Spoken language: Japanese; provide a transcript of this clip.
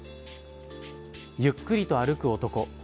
ゆっくりと歩く男。